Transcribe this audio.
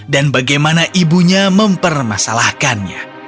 dan bagaimana ibunya mempermasalahkannya